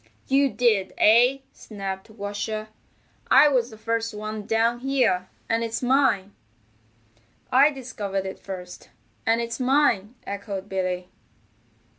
"You did, eh?" snapped Washer. "I was the first one down here, and it's mine." "I discovered it first, and it's mine," echoed Billy.